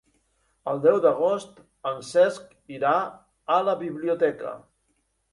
El deu d'agost en Cesc irà a la biblioteca.